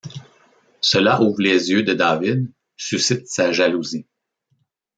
Cela ouvre les yeux de David, suscite sa jalousie.